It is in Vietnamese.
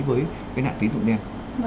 với nạn tín dụng đen